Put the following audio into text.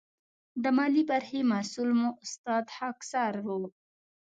د مالي برخې مسؤل مو استاد خاکسار و.